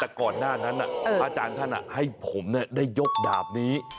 แต่ก่อนหน้านั้นอาจารย์ท่านให้ผมได้ยกดาบนี้